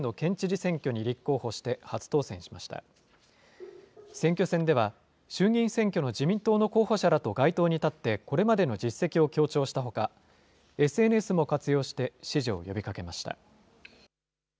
選挙戦では、衆議院選挙の自民党の候補者らと街頭に立って、これまでの実績を強調したほか、ＳＮＳも活用して、支持を呼びかけました。